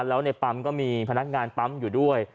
แล้วในปั๊มก็มีพนักงานปั๊มอยู่ด้วย